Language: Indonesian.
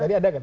tadi ada kan